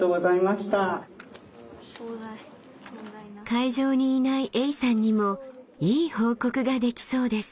会場にいないエイさんにもいい報告ができそうです。